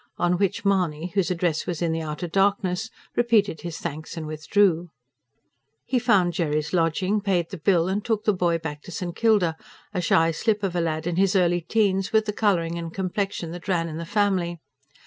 On which Mahony, whose address was in the outer darkness, repeated his thanks and withdrew. He found Jerry's lodging, paid the bill, and took the boy back to St. Kilda a shy slip of a lad in his early teens, with the colouring and complexion that ran in the family.